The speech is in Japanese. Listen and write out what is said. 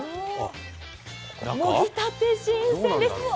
もぎたて、新鮮です。